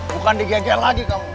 bukan digeger lagi kamu